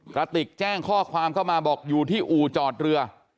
กระติกแจ้งข้อความเข้ามาบอกอยู่ที่อู่จอดเรือ